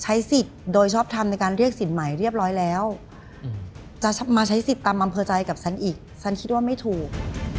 ใช้สิทธิ์โดยชอบทำในการเรียกสินใหม่เรียบร้อยแล้วจะมาใช้สิทธิ์ตามอำเภอใจกับฉันอีกฉันคิดว่าไม่ถูก